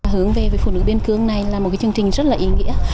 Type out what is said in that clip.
hướng về với phụ nữ biên cương này là một chương trình rất là ý nghĩa